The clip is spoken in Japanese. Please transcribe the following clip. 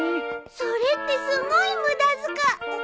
それってすごい無駄づか。